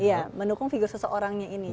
iya mendukung figure seseorangnya ini